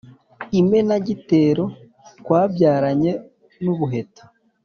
Imenagitero twabyaranye n’ubuheta